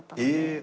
え！